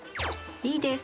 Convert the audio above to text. いいです！